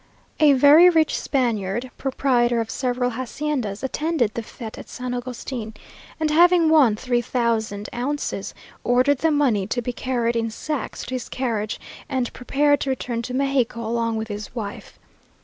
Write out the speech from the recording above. A very rich Spaniard, proprietor of several haciendas, attended the fête at San Agustin, and having won three thousand ounces, ordered the money to be carried in sacks to his carriage, and prepared to return to Mexico along with his wife.